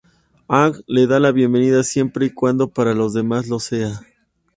Aang le da la bienvenida siempre y cuando para los demás lo sea.